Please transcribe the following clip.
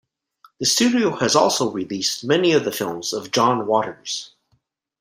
The studio has also released many of the films of John Waters.